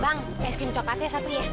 bang es krim coklatnya satu ya